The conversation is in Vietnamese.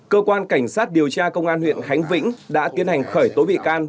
cơ quan cảnh sát điều tra công an huyện khánh vĩnh đã tiến hành khởi tối vị can